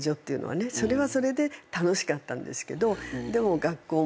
それはそれで楽しかったんですけどでも学校も。